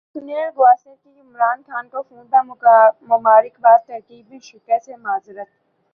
سنیل گواسکر کی عمران خان کو فون پر مبارکبادتقریب میں شرکت سے معذرت